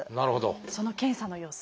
その検査の様子